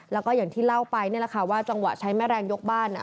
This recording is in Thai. แล้วก็อย่างที่เล่าไปนี่แหละค่ะว่าจังหวะใช้แม่แรงยกบ้าน